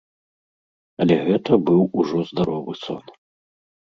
Але гэта быў ужо здаровы сон.